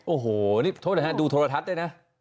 โอ้โหนี่โทษนะฮะดูโทรทัศน์ด้วยนะ